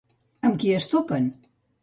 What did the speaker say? Amb qui es topen?